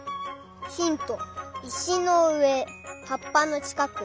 ヒントいしのうえはっぱのちかく。